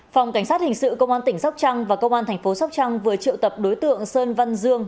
phòng cảnh sát hình sự công an tỉnh sóc trăng và công an thành phố sóc trăng vừa triệu tập đối tượng sơn văn dương